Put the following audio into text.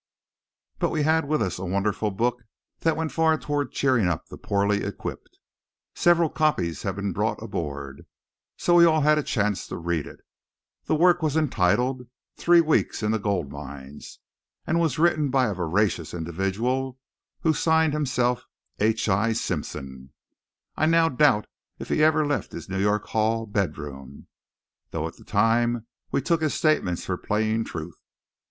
But we had with us a wonderful book that went far toward cheering up the poorly equipped. Several copies had been brought aboard, so we all had a chance to read it. The work was entitled "Three Weeks in the Gold Mines," and was written by a veracious individual who signed himself H. I. Simpson. I now doubt if he had ever left his New York hall bedroom, though at the time we took his statements for plain truth.